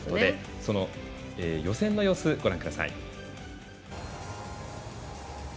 その予選の様子ご覧ください。